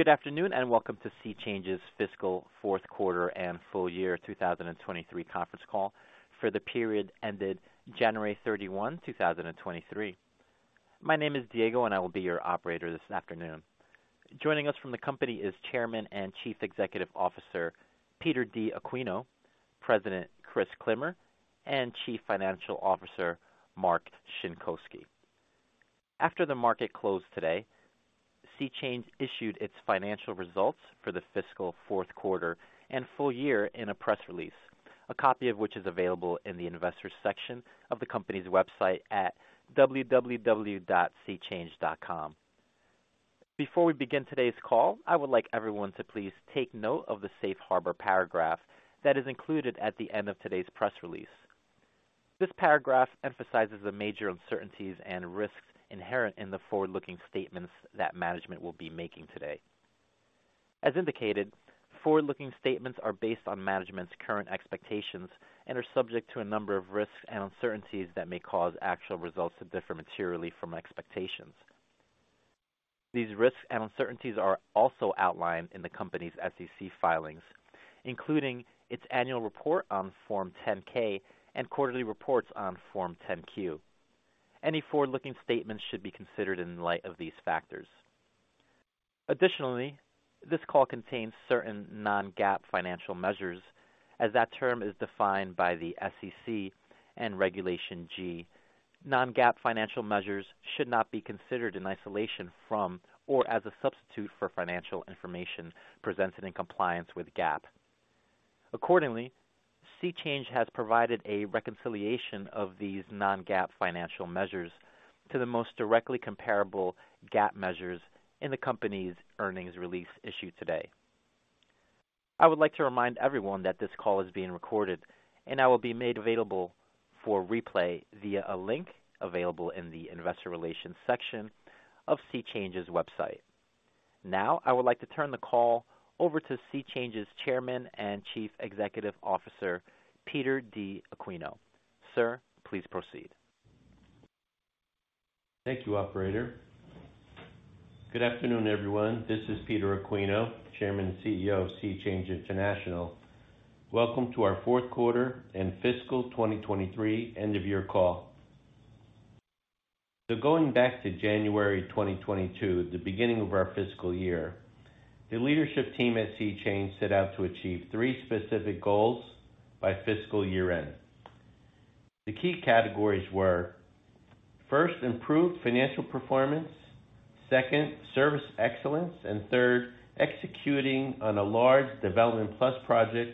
Good afternoon, welcome to SeaChange's Fiscal Fourth Quarter and Full Year 2023 conference call for the period ended January 31, 2023. My name is Diego, I will be your operator this afternoon. Joining us from the company is Chairman and Chief Executive Officer, Peter D. Aquino, President Chris Klimmer, and Chief Financial Officer Mark Szynkowski. After the market closed today, SeaChange issued its financial results for the Fiscal Fourth Quarter and Full Year in a press release, a copy of which is available in the investors section of the company's website at www.seachange.com. Before we begin today's call, I would like everyone to please take note of the Safe Harbor paragraph that is included at the end of today's press release. This paragraph emphasizes the major uncertainties and risks inherent in the forward-looking statements that management will be making today. As indicated, forward-looking statements are based on management's current expectations and are subject to a number of risks and uncertainties that may cause actual results to differ materially from expectations. These risks and uncertainties are also outlined in the company's SEC filings, including its annual report on Form 10-K and quarterly reports on Form 10-Q. Any forward-looking statements should be considered in light of these factors. This call contains certain non-GAAP financial measures, as that term is defined by the SEC and Regulation G. Non-GAAP financial measures should not be considered in isolation from or as a substitute for financial information presented in compliance with GAAP. Accordingly, SeaChange has provided a reconciliation of these non-GAAP financial measures to the most directly comparable GAAP measures in the company's earnings release issued today. I would like to remind everyone that this call is being recorded and will be made available for replay via a link available in the investor relations section of SeaChange's website. I would like to turn the call over to SeaChange's Chairman and Chief Executive Officer, Peter D. Aquino. Sir, please proceed. Thank you, operator. Good afternoon, everyone. This is Peter Aquino, Chairman and CEO of SeaChange International. Welcome to our fourth quarter and fiscal 2023 end of year call. Going back to January 2022, the beginning of our fiscal year, the leadership team at SeaChange set out to achieve 3 specific goals by fiscal year end. The key categories were, first, improved financial performance, second, service excellence, and third, executing on a large Development Plus project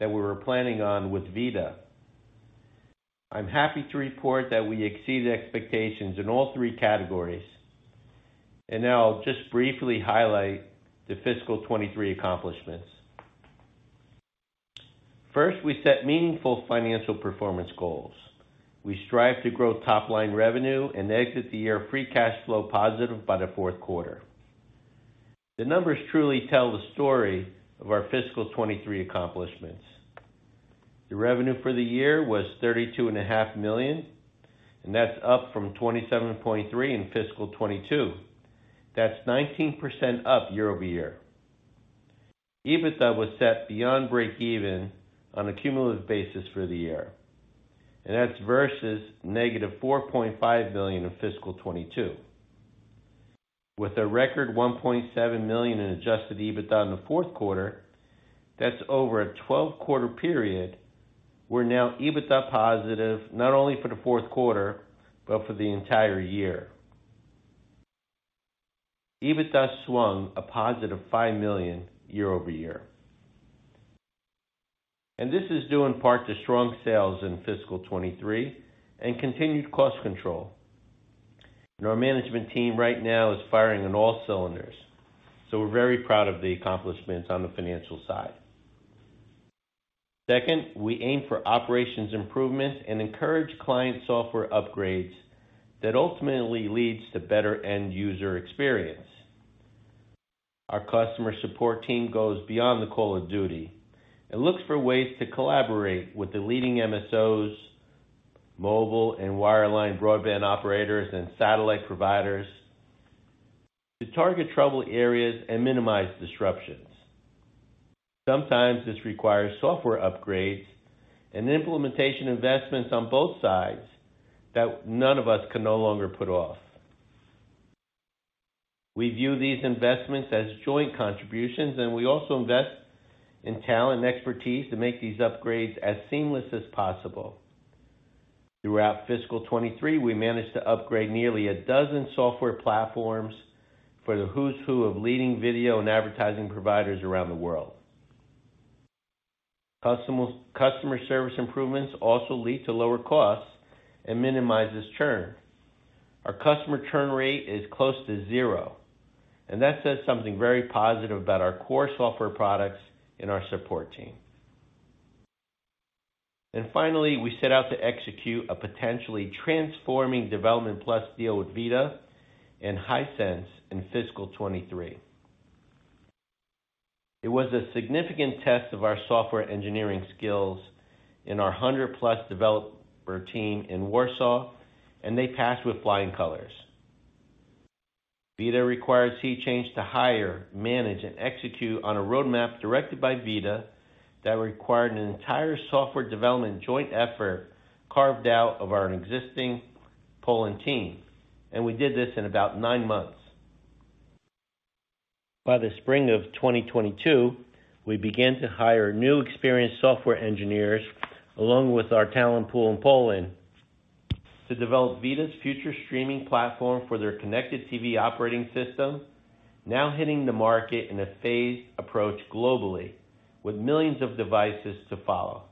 that we were planning on with VIDAA. I'm happy to report that we exceeded expectations in all 3 categories. Now I'll just briefly highlight the fiscal 2023 accomplishments. First, we set meaningful financial performance goals. We strive to grow top line revenue and exit the year free cash flow positive by the fourth quarter. The numbers truly tell the story of our fiscal 2023 accomplishments. The revenue for the year was thirty-two and a half million, and that's up from $27.3 million in fiscal 2022. That's 19% up year-over-year. EBITDA was set beyond breakeven on a cumulative basis for the year, and that's versus negative $4.5 million in fiscal 2022. With a record $1.7 million in adjusted EBITDA in the fourth quarter, that's over a 12-quarter period, we're now EBITDA positive not only for the fourth quarter but for the entire year. EBITDA swung a positive $5 million year-over-year. This is due in part to strong sales in fiscal 2023 and continued cost control. Our management team right now is firing on all cylinders. We're very proud of the accomplishments on the financial side. Second, we aim for operations improvements and encourage client software upgrades that ultimately leads to better end user experience. Our customer support team goes beyond the call of duty and looks for ways to collaborate with the leading MSOs, mobile and wireline broadband operators, and satellite providers to target trouble areas and minimize disruptions. Sometimes this requires software upgrades and implementation investments on both sides that none of us can no longer put off. We view these investments as joint contributions. We also invest in talent and expertise to make these upgrades as seamless as possible. Throughout fiscal 2023, we managed to upgrade nearly 12 software platforms for the who's who of leading video and advertising providers around the world. Customer service improvements also lead to lower costs and minimizes churn. Our customer churn rate is close to zero, and that says something very positive about our core software products and our support team. Finally, we set out to execute a potentially transforming Development Plus deal with VIDAA and Hisense in fiscal 2023. It was a significant test of our software engineering skills in our 100-plus developer team in Warsaw, and they passed with flying colors. VIDAA required SeaChange to hire, manage, and execute on a roadmap directed by VIDAA that required an entire software development joint effort carved out of our existing Poland team, and we did this in about 9 months. By the spring of 2022, we began to hire new experienced software engineers along with our talent pool in Poland to develop VIDAA's future streaming platform for their connected TV operating system, now hitting the market in a phased approach globally with millions of devices to follow.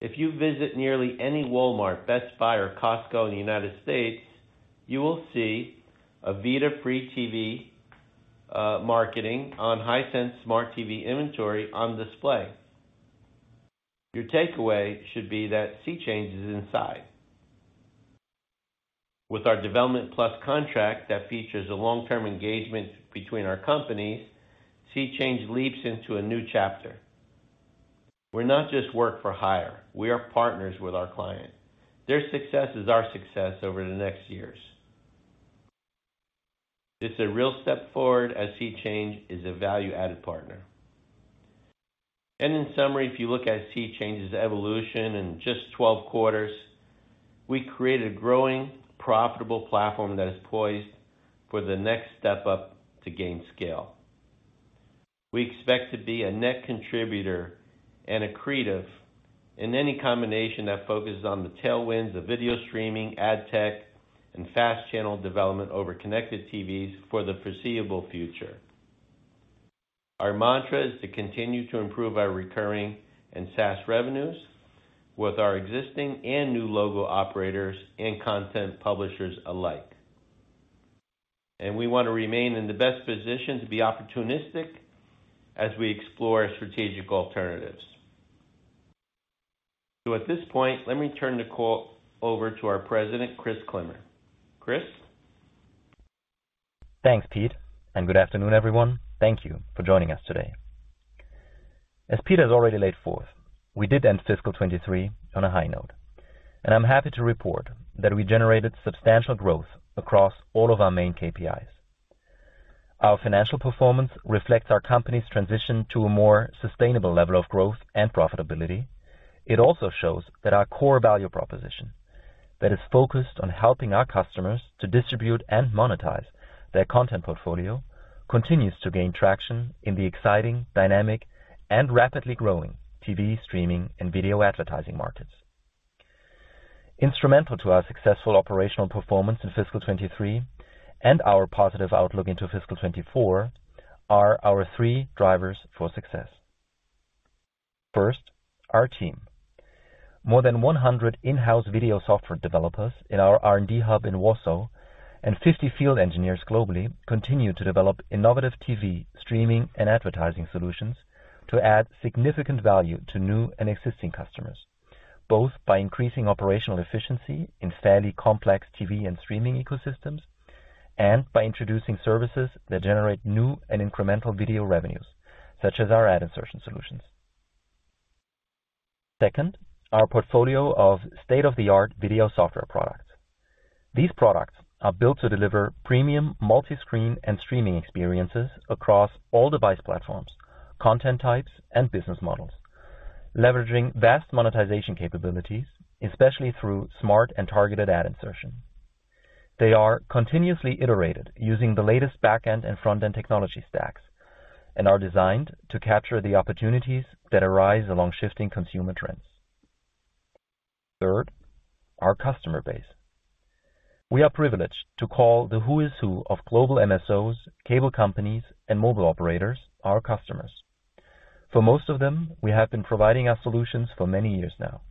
If you visit nearly any Walmart, Best Buy, or Costco in the United States, you will see a VIDAA Free TV marketing on Hisense smart TV inventory on display. Your takeaway should be that SeaChange is inside. With our Development Plus contract that features a long-term engagement between our companies, SeaChange leaps into a new chapter. We're not just work for hire, we are partners with our client. Their success is our success over the next years. It's a real step forward as SeaChange is a value-added partner. In summary, if you look at SeaChange's evolution in just 12 quarters, we created a growing profitable platform that is poised for the next step up to gain scale. We expect to be a net contributor and accretive in any combination that focuses on the tailwinds of video streaming, ad tech, and FAST channel development over connected TVs for the foreseeable future. Our mantra is to continue to improve our recurring and SaaS revenues with our existing and new logo operators and content publishers alike. We want to remain in the best position to be opportunistic as we explore strategic alternatives. At this point, let me turn the call over to our President, Chris Klimmer. Chris? Thanks, Pete. Good afternoon, everyone. Thank you for joining us today. As Pete has already laid forth, we did end fiscal 23 on a high note. I'm happy to report that we generated substantial growth across all of our main KPIs. Our financial performance reflects our company's transition to a more sustainable level of growth and profitability. It also shows that our core value proposition that is focused on helping our customers to distribute and monetize their content portfolio continues to gain traction in the exciting, dynamic, and rapidly growing TV streaming and video advertising markets. Instrumental to our successful operational performance in fiscal 23 and our positive outlook into fiscal 24 are our three drivers for success. First, our team. More than 100 in-house video software developers in our R&D hub in Warsaw and 50 field engineers globally continue to develop innovative TV streaming and advertising solutions to add significant value to new and existing customers, both by increasing operational efficiency in fairly complex TV and streaming ecosystems and by introducing services that generate new and incremental video revenues, such as our ad insertion solutions. Second, our portfolio of state-of-the-art video software products. These products are built to deliver premium multiscreen and streaming experiences across all device platforms, content types, and business models, leveraging vast monetization capabilities, especially through smart and targeted ad insertion. Third, our customer base. We are privileged to call the who's who of global MSOs, cable companies, and mobile operators our customers. For most of them, we have been providing our solutions for many years now.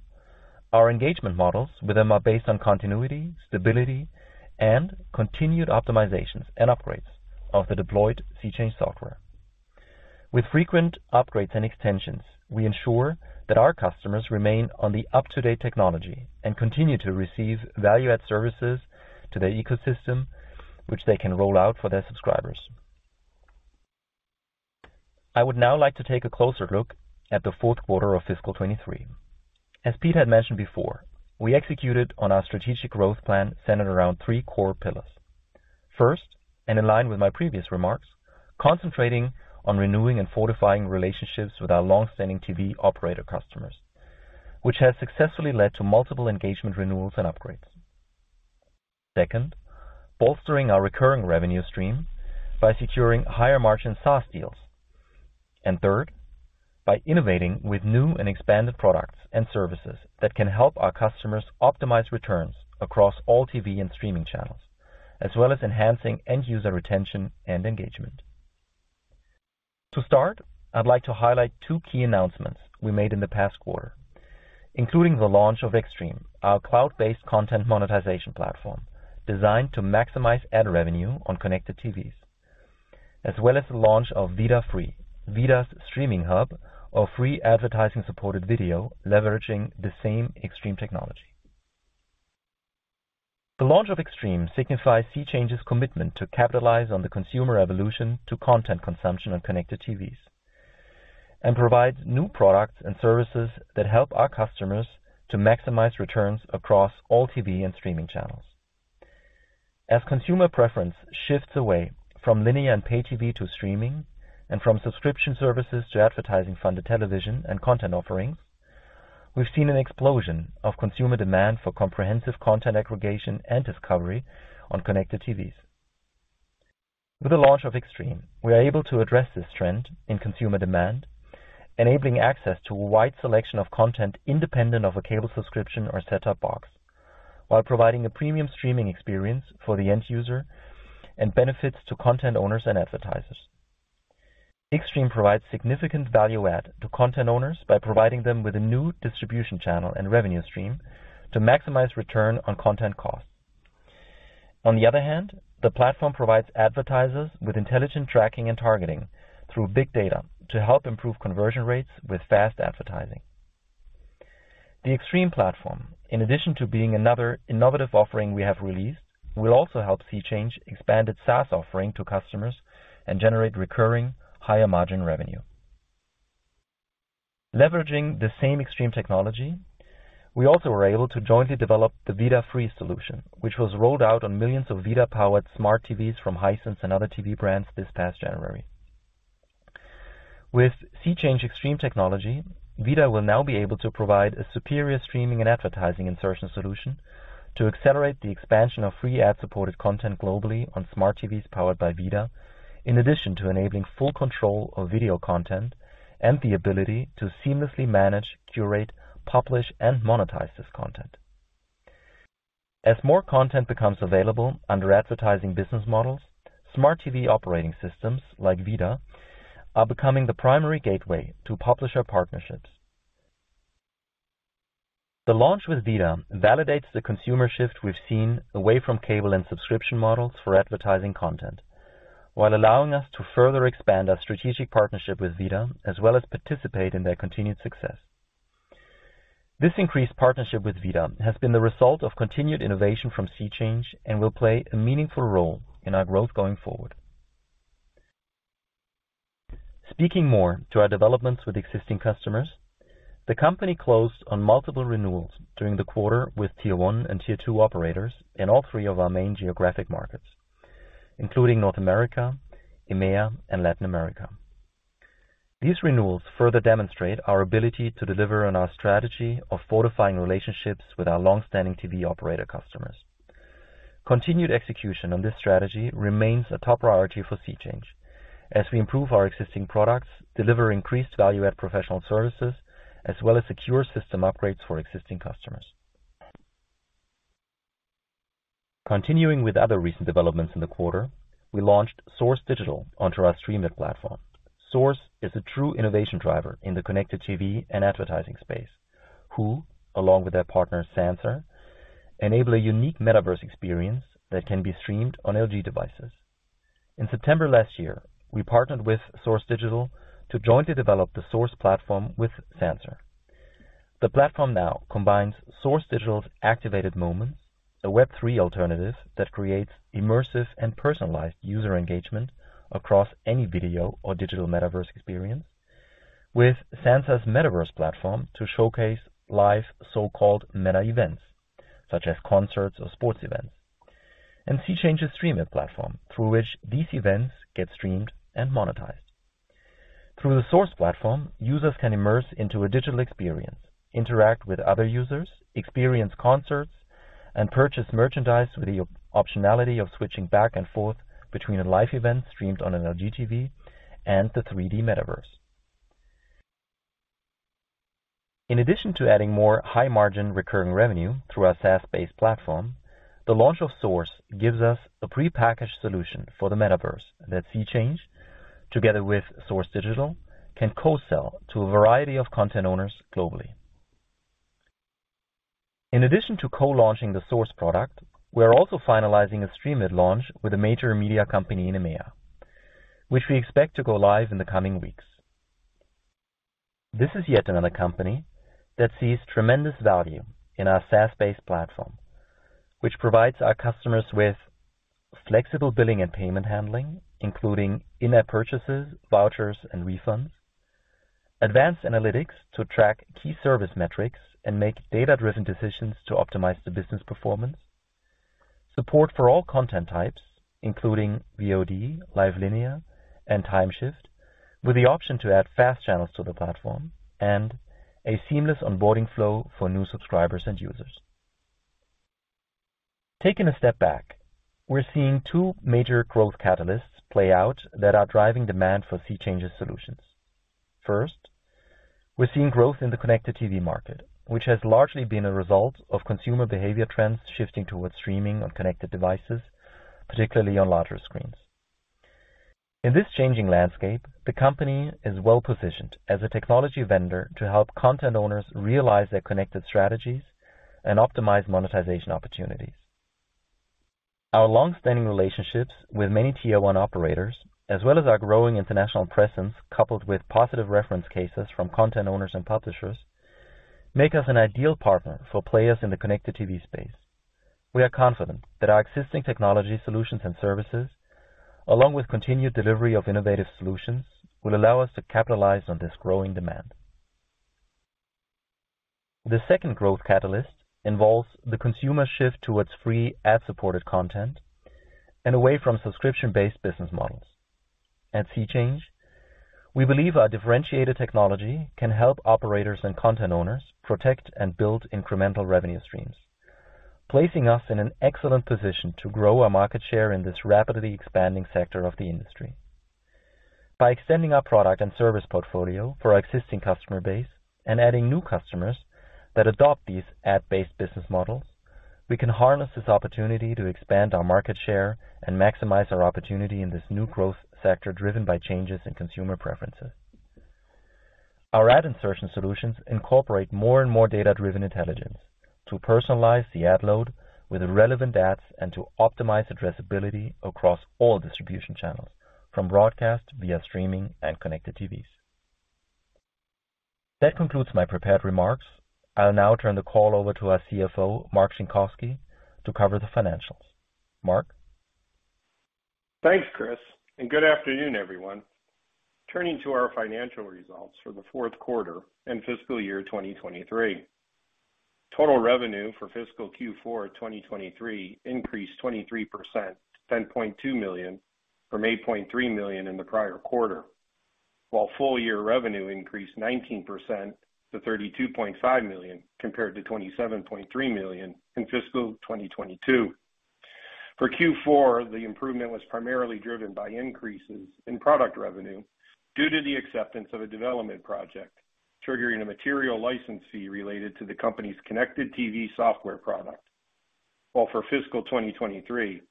Our engagement models with them are based on continuity, stability, and continued optimizations and upgrades of the deployed SeaChange software. With frequent upgrades and extensions, we ensure that our customers remain on the up-to-date technology and continue to receive value-add services to their ecosystem, which they can roll out for their subscribers. I would now like to take a closer look at the fourth quarter of fiscal 23. As Pete had mentioned before, we executed on our strategic growth plan centered around three core pillars. First, and in line with my previous remarks, concentrating on renewing and fortifying relationships with our long-standing TV operator customers, which has successfully led to multiple engagement renewals and upgrades. Second, bolstering our recurring revenue stream by securing higher-margin SaaS deals. Third, by innovating with new and expanded products and services that can help our customers optimize returns across all TV and streaming channels, as well as enhancing end user retention and engagement. To start, I'd like to highlight two key announcements we made in the past quarter, including the launch of Xstream, our cloud-based content monetization platform designed to maximize ad revenue on connected TVs, as well as the launch of VIDAA Free, VIDAA's streaming hub of free advertising-supported video leveraging the same Xstream technology. The launch of Xstream signifies SeaChange's commitment to capitalize on the consumer evolution to content consumption on connected TVs and provides new products and services that help our customers to maximize returns across all TV and streaming channels. As consumer preference shifts away from linear and pay TV to streaming and from subscription services to advertising-funded television and content offerings, we've seen an explosion of consumer demand for comprehensive content aggregation and discovery on connected TVs. With the launch of Xstream, we are able to address this trend in consumer demand, enabling access to a wide selection of content independent of a cable subscription or set-top box, while providing a premium streaming experience for the end user and benefits to content owners and advertisers. Xstream provides significant value add to content owners by providing them with a new distribution channel and revenue stream to maximize return on content costs. The platform provides advertisers with intelligent tracking and targeting through big data to help improve conversion rates with FAST advertising. The Xstream platform, in addition to being another innovative offering we have released, will also help SeaChange expand its SaaS offering to customers and generate recurring higher-margin revenue. Leveraging the same Xstream technology, we also were able to jointly develop the VIDAA Free solution, which was rolled out on millions of VIDAA-powered smart TVs from Hisense and other TV brands this past January. With SeaChange Xstream technology, VIDAA will now be able to provide a superior streaming and advertising insertion solution to accelerate the expansion of free ad-supported content globally on smart TVs powered by VIDAA, in addition to enabling full control of video content and the ability to seamlessly manage, curate, publish, and monetize this content. As more content becomes available under advertising business models, smart TV operating systems like VIDAA are becoming the primary gateway to publisher partnerships. The launch with VIDAA validates the consumer shift we've seen away from cable and subscription models for advertising content, while allowing us to further expand our strategic partnership with VIDAA, as well as participate in their continued success. This increased partnership with VIDAA has been the result of continued innovation from SeaChange and will play a meaningful role in our growth going forward. Speaking more to our developments with existing customers, the company closed on multiple renewals during the quarter with tier one and tier two operators in all three of our main geographic markets, including North America, EMEA, and Latin America. These renewals further demonstrate our ability to deliver on our strategy of fortifying relationships with our long-standing TV operator customers. Continued execution on this strategy remains a top priority for SeaChange as we improve our existing products, deliver increased value at professional services, as well as secure system upgrades for existing customers. Continuing with other recent developments in the quarter, we launched Source Digital onto our StreamAd platform. Source is a true innovation driver in the connected TV and advertising space who, along with their partner Sansar, enable a unique metaverse experience that can be streamed on LG devices. In September last year, we partnered with Source Digital to jointly develop the Source platform with Sansar. The platform now combines Source Digital's Activated Moments, a Web3 alternative that creates immersive and personalized user engagement across any video or digital metaverse experience with Sansar's metaverse platform to showcase live so-called meta events such as concerts or sports events, and SeaChange's StreamAd platform through which these events get streamed and monetized. Through the Source platform, users can immerse into a digital experience, interact with other users, experience concerts, and purchase merchandise with the optionality of switching back and forth between a live event streamed on an LG TV and the 3D metaverse. In addition to adding more high-margin recurring revenue through our SaaS-based platform, the launch of Source gives us a prepackaged solution for the metaverse that SeaChange, together with Source Digital, can co-sell to a variety of content owners globally. In addition to co-launching the Source product, we are also finalizing a StreamAd launch with a major media company in EMEA, which we expect to go live in the coming weeks. This is yet another company that sees tremendous value in our SaaS-based platform, which provides our customers with flexible billing and payment handling, including in-app purchases, vouchers, and refunds, advanced analytics to track key service metrics and make data-driven decisions to optimize the business performance, support for all content types, including VOD, live linear, and time shift, with the option to add fast channels to the platform, and a seamless onboarding flow for new subscribers and users. Taking a step back, we're seeing two major growth catalysts play out that are driving demand for SeaChange's solutions. First, we're seeing growth in the connected TV market, which has largely been a result of consumer behavior trends shifting towards streaming on connected devices, particularly on larger screens. In this changing landscape, the company is well-positioned as a technology vendor to help content owners realize their connected strategies and optimize monetization opportunities. Our long-standing relationships with many tier one operators, as well as our growing international presence, coupled with positive reference cases from content owners and publishers, make us an ideal partner for players in the connected TV space. We are confident that our existing technology solutions and services, along with continued delivery of innovative solutions, will allow us to capitalize on this growing demand. The second growth catalyst involves the consumer shift towards free ad-supported content and away from subscription-based business models. At SeaChange, we believe our differentiated technology can help operators and content owners protect and build incremental revenue streams, placing us in an excellent position to grow our market share in this rapidly expanding sector of the industry. By extending our product and service portfolio for our existing customer base and adding new customers that adopt these ad-based business models, we can harness this opportunity to expand our market share and maximize our opportunity in this new growth sector, driven by changes in consumer preferences. Our ad insertion solutions incorporate more and more data-driven intelligence to personalize the ad load with relevant ads and to optimize addressability across all distribution channels, from broadcast via streaming and connected TVs. That concludes my prepared remarks. I'll now turn the call over to our CFO, Mark Szynkowski, to cover the financials. Mark? Thanks, Chris. Good afternoon, everyone. Turning to our financial results for the fourth quarter and fiscal year 2023. Total revenue for fiscal Q4 2023 increased 23% to $10.2 million, from $8.3 million in the prior quarter. Full year revenue increased 19% to $32.5 million, compared to $27.3 million in fiscal 2022. For Q4, the improvement was primarily driven by increases in product revenue due to the acceptance of a development project triggering a material license fee related to the company's connected TV software product. For fiscal 2023,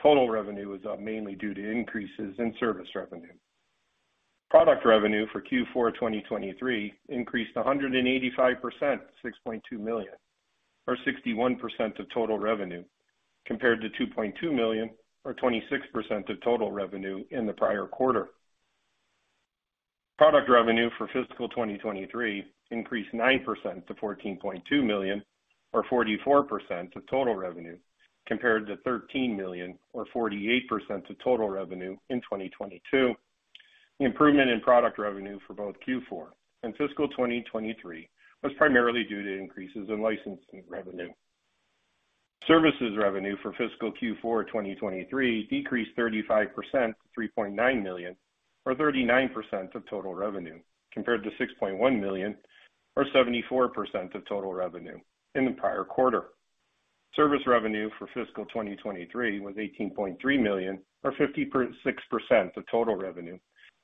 total revenue was up mainly due to increases in service revenue. Product revenue for Q4 2023 increased 185% to $6.2 million, or 61% of total revenue, compared to $2.2 million or 26% of total revenue in the prior quarter. Product revenue for fiscal 2023 increased 9% to $14.2 million or 44% of total revenue, compared to $13 million or 48% of total revenue in 2022. The improvement in product revenue for both Q4 and fiscal 2023 was primarily due to increases in licensing revenue. Services revenue for fiscal Q4 2023 decreased 35% to $3.9 million or 39% of total revenue, compared to $6.1 million or 74% of total revenue in the prior quarter. Service revenue for fiscal 2023 was $18.3 million or 56% of total revenue,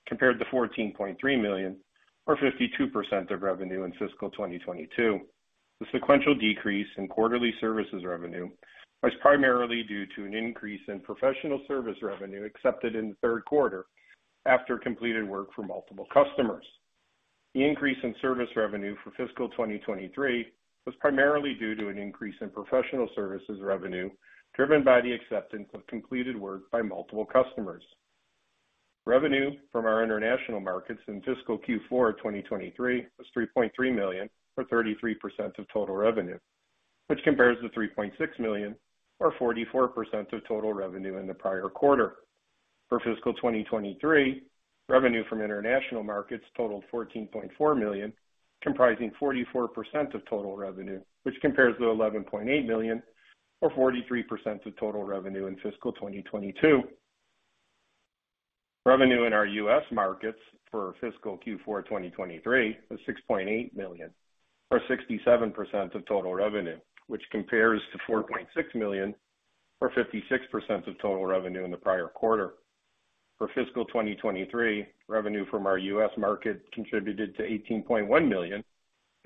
compared to $14.3 million or 52% of revenue in fiscal 2022. The sequential decrease in quarterly services revenue was primarily due to an increase in professional service revenue accepted in the third quarter after completed work for multiple customers. The increase in service revenue for fiscal 2023 was primarily due to an increase in professional services revenue driven by the acceptance of completed work by multiple customers. Revenue from our international markets in fiscal Q4 2023 was $3.3 million, or 33% of total revenue, which compares to $3.6 million or 44% of total revenue in the prior quarter. For fiscal 2023, revenue from international markets totaled $14.4 million, comprising 44% of total revenue, which compares to $11.8 million or 43% of total revenue in fiscal 2022. Revenue in our U.S. markets for fiscal Q4 2023 was $6.8 million or 67% of total revenue, which compares to $4.6 million or 56% of total revenue in the prior quarter. For fiscal 2023, revenue from our U.S. market contributed to $18.1 million,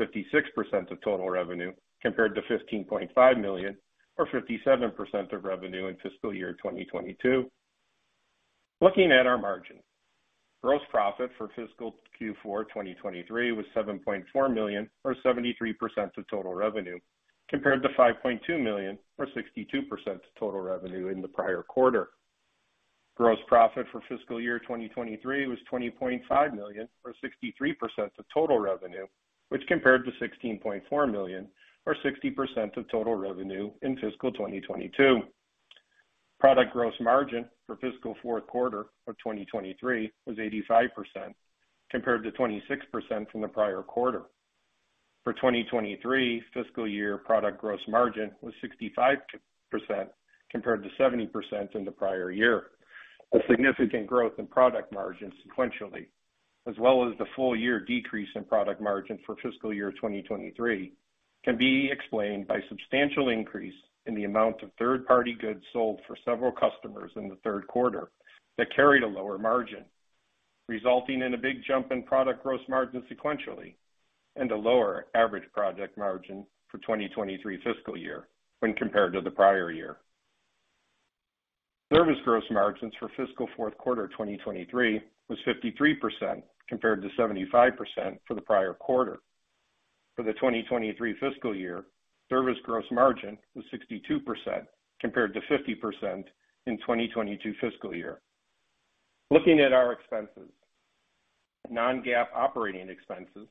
56% of total revenue, compared to $15.5 million or 57% of revenue in fiscal year 2022. Looking at our margin. Gross profit for fiscal Q4 2023 was $7.4 million, or 73% of total revenue, compared to $5.2 million or 62% of total revenue in the prior quarter. Gross profit for fiscal year 2023 was $20.5 million or 63% of total revenue, which compared to $16.4 million or 60% of total revenue in fiscal 2022. Product gross margin for fiscal fourth quarter of 2023 was 85%, compared to 26% from the prior quarter. For 2023 fiscal year, product gross margin was 65%, compared to 70% in the prior year. A significant growth in product margin sequentially, as well as the full year decrease in product margin for fiscal year 2023 can be explained by substantial increase in the amount of third-party goods sold for several customers in the third quarter that carried a lower margin, resulting in a big jump in product gross margin sequentially and a lower average product margin for 2023 fiscal year when compared to the prior year. Service gross margins for fiscal fourth quarter 2023 was 53%, compared to 75% for the prior quarter. For the 2023 fiscal year, service gross margin was 62% compared to 50% in 2022 fiscal year. Looking at our expenses. Non-GAAP operating expenses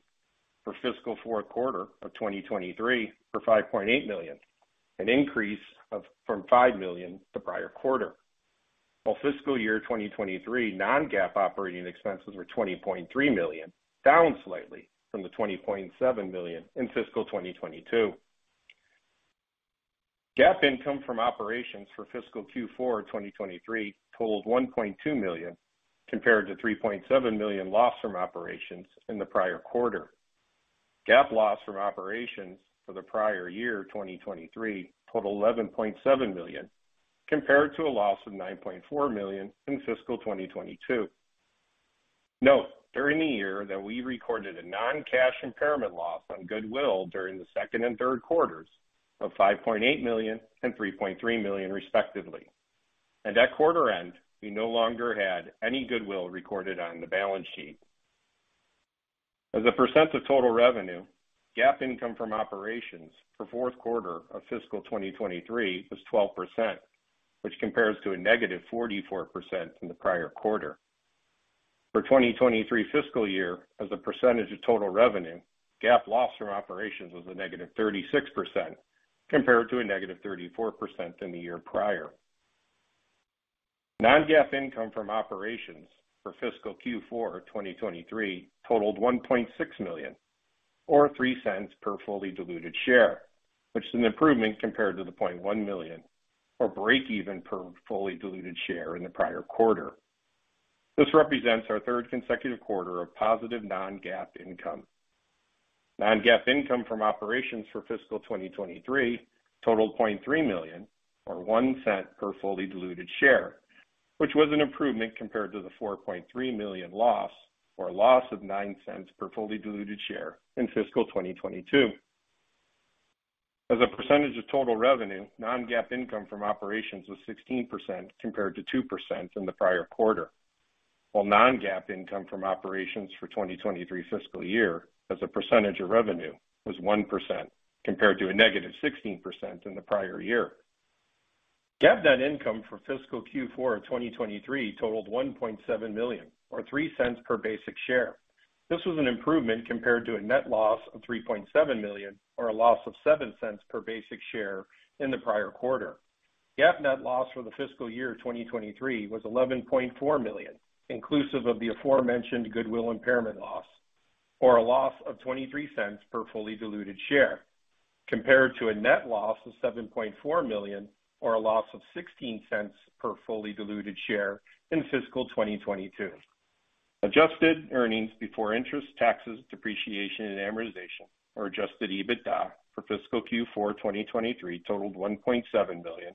for fiscal fourth quarter of 2023 were $5.8 million, an increase of from $5 million the prior quarter. Fiscal year 2023 non-GAAP operating expenses were $20.3 million, down slightly from the $20.7 million in fiscal 2022. GAAP income from operations for fiscal Q4 2023 totaled $1.2 million, compared to $3.7 million loss from operations in the prior quarter. GAAP loss from operations for the prior year, 2023 totaled $11.7 million, compared to a loss of $9.4 million in fiscal 2022. Note, during the year that we recorded a non-cash impairment loss on goodwill during the second and third quarters of $5.8 million and $3.3 million, respectively. At quarter end, we no longer had any goodwill recorded on the balance sheet. As a percent of total revenue, GAAP income from operations for fourth quarter of fiscal 2023 was 12%, which compares to a negative 44% in the prior quarter. For 2023 fiscal year as a percentage of total revenue, GAAP loss from operations was a negative 36% compared to a negative 34% in the year prior. Non-GAAP income from operations for fiscal Q4 2023 totaled $1.6 million or $0.03 per fully diluted share, which is an improvement compared to the $0.1 million or breakeven per fully diluted share in the prior quarter. This represents our third consecutive quarter of positive non-GAAP income. Non-GAAP income from operations for fiscal 2023 totaled $0.3 million, or $0.01 per fully diluted share, which was an improvement compared to the $4.3 million loss, or a loss of $0.09 per fully diluted share in fiscal 2022. As a percentage of total revenue, non-GAAP income from operations was 16% compared to 2% in the prior quarter. Non-GAAP income from operations for 2023 fiscal year as a percentage of revenue was 1% compared to a -16% in the prior year. GAAP net income for fiscal Q4 2023 totaled $1.7 million, or $0.03 per basic share. This was an improvement compared to a net loss of $3.7 million, or a loss of $0.07 per basic share in the prior quarter. GAAP net loss for the fiscal year 2023 was $11.4 million, inclusive of the aforementioned goodwill impairment loss, or a loss of $0.23 per fully diluted share, compared to a net loss of $7.4 million, or a loss of $0.16 per fully diluted share in fiscal 2022. Adjusted earnings before interest, taxes, depreciation and amortization or adjusted EBITDA for fiscal Q4 2023 totaled $1.7 million,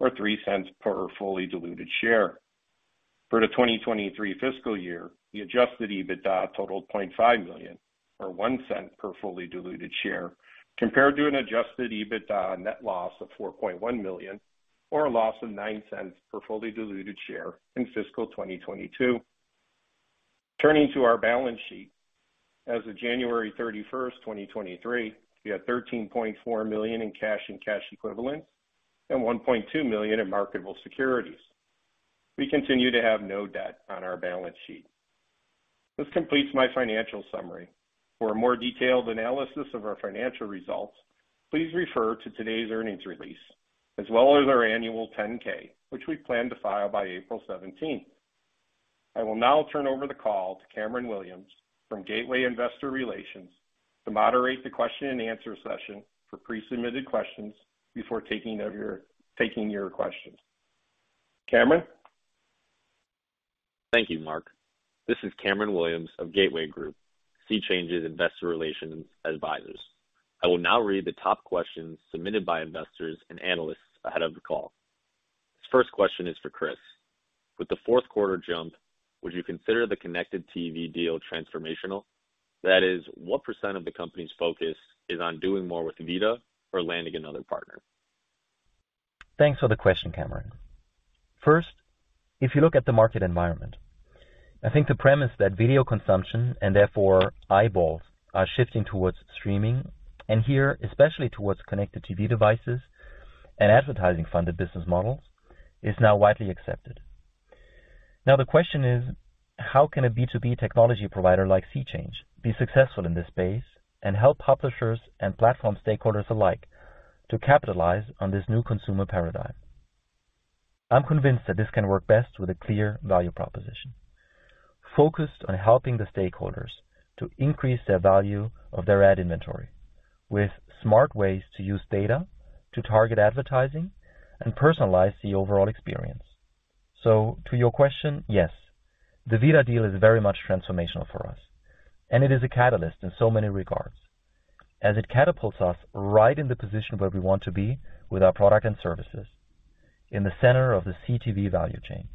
or $0.03 per fully diluted share. For the 2023 fiscal year, the adjusted EBITDA totaled $0.5 million or $0.01 per fully diluted share, compared to an adjusted EBITDA net loss of $4.1 million, or a loss of $0.09 per fully diluted share in fiscal 2022. Turning to our balance sheet. As of January 31st, 2023, we had $13.4 million in cash and cash equivalents and $1.2 million in marketable securities. We continue to have no debt on our balance sheet. This completes my financial summary. For a more detailed analysis of our financial results, please refer to today's earnings release as well as our annual 10-K, which we plan to file by April 17th. I will now turn over the call to Cameron Williams from Gateway Investor Relations to moderate the question and answer session for pre-submitted questions before taking your questions. Cameron? Thank you, Mark. This is Cameron Williams of Gateway Group, SeaChange's Investor Relations advisors. I will now read the top questions submitted by investors and analysts ahead of the call. This first question is for Chris. With the fourth quarter jump, would you consider the connected TV deal transformational? That is, what % of the company's focus is on doing more with VIDAA or landing another partner? Thanks for the question, Cameron. First, if you look at the market environment, I think the premise that video consumption and therefore eyeballs are shifting towards streaming and here especially towards connected TV devices and advertising funded business models, is now widely accepted. Now the question is, how can a B2B technology provider like SeaChange be successful in this space and help publishers and platform stakeholders alike to capitalize on this new consumer paradigm? I'm convinced that this can work best with a clear value proposition, focused on helping the stakeholders to increase the value of their ad inventory with smart ways to use data to target advertising and personalize the overall experience. To your question, yes, the VIDAA deal is very much transformational for us, and it is a catalyst in so many regards as it catapults us right in the position where we want to be with our product and services in the center of the CTV value chain.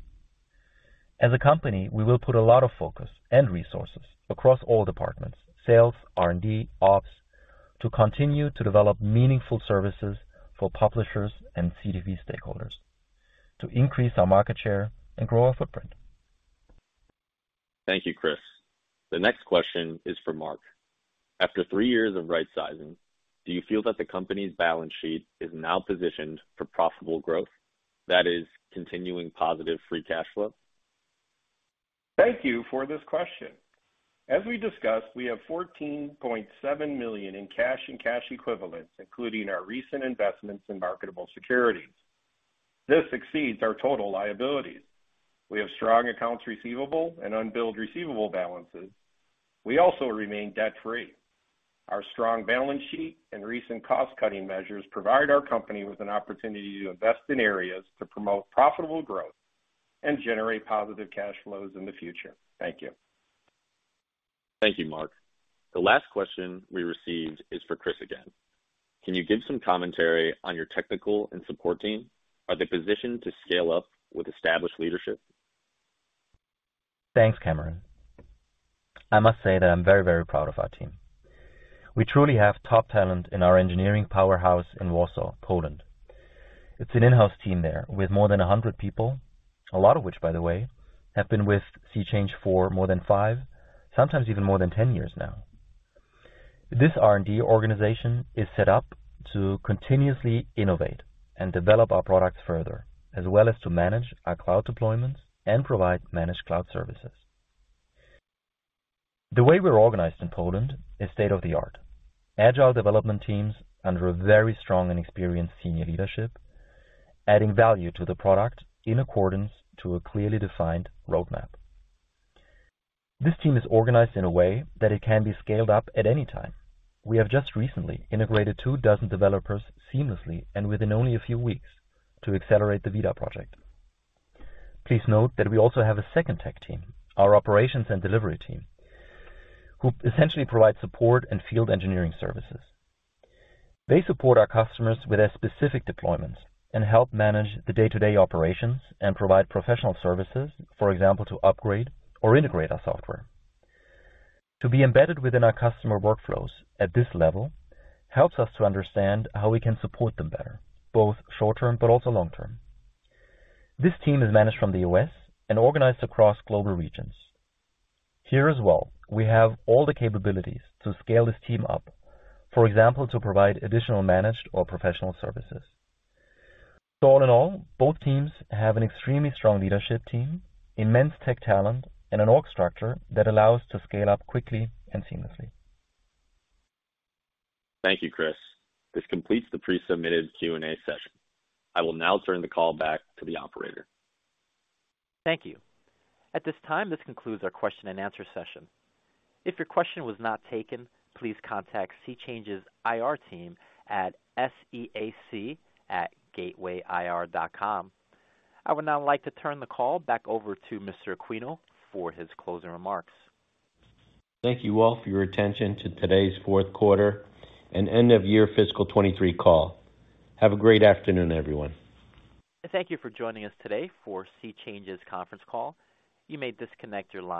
As a company, we will put a lot of focus and resources across all departments sales, R&D, ops, to continue to develop meaningful services for publishers and CTV stakeholders to increase our market share and grow our footprint. Thank you, Chris. The next question is for Mark. After three years of rightsizing, do you feel that the company's balance sheet is now positioned for profitable growth that is continuing positive free cash flow? Thank you for this question. As we discussed, we have $14.7 million in cash and cash equivalents, including our recent investments in marketable securities. This exceeds our total liabilities. We have strong accounts receivable and unbilled receivable balances. We also remain debt-free. Our strong balance sheet and recent cost-cutting measures provide our company with an opportunity to invest in areas to promote profitable growth and generate positive cash flows in the future. Thank you. Thank you, Mark. The last question we received is for Chris again. Can you give some commentary on your technical and support team? Are they positioned to scale up with established leadership? Thanks, Cameron. I must say that I'm very, very proud of our team. We truly have top talent in our engineering powerhouse in Warsaw, Poland. It's an in-house team there with more than 100 people, a lot of which, by the way, have been with SeaChange for more than five, sometimes even more than 10 years now. This R&D organization is set up to continuously innovate and develop our products further, as well as to manage our cloud deployments and provide managed cloud services. The way we're organized in Poland is state-of-the-art. Agile development teams under a very strong and experienced senior leadership, adding value to the product in accordance to a clearly defined roadmap. This team is organized in a way that it can be scaled up at any time. We have just recently integrated two dozen developers seamlessly and within only a few weeks to accelerate the VIDAA project. Please note that we also have a second tech team, our operations and delivery team, who essentially provide support and field engineering services. They support our customers with their specific deployments and help manage the day-to-day operations and provide professional services, for example, to upgrade or integrate our software. To be embedded within our customer workflows at this level helps us to understand how we can support them better, both short-term but also long-term. This team is managed from the U.S. and organized across global regions. Here as well, we have all the capabilities to scale this team up, for example, to provide additional managed or professional services. All in all, both teams have an extremely strong leadership team, immense tech talent, and an org structure that allows to scale up quickly and seamlessly. Thank you, Chris. This completes the pre-submitted Q&A session. I will now turn the call back to the operator. Thank you. At this time, this concludes our question and answer session. If your question was not taken, please contact SeaChange's IR team at seac@gatewayir.com. I would now like to turn the call back over to Mr. Aquino for his closing remarks. Thank you all for your attention to today's fourth quarter and end of year fiscal 2023 call. Have a great afternoon, everyone. Thank you for joining us today for SeaChange's conference call. You may disconnect your line.